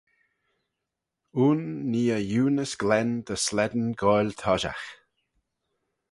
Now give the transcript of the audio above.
Ayn nee e eunys glen dy slane goaill toshiaght.